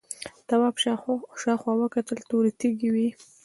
تواب شاوخوا وکتل تورې تیږې وې.